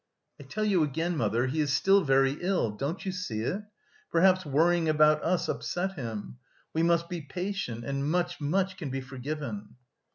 "I tell you again, mother, he is still very ill. Don't you see it? Perhaps worrying about us upset him. We must be patient, and much, much can be forgiven."